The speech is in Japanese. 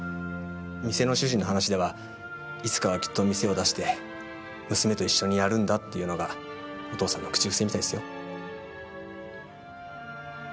店の主人の話ではいつかはきっと店を出して娘と一緒にやるんだっていうのがお父さんの口癖みたいっすよ。